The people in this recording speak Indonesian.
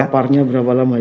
terpaparnya berapa lama ya